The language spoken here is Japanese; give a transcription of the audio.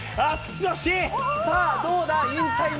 さあ、どうだ？